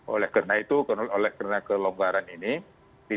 oleh karena itu oleh karena kelonggaran ini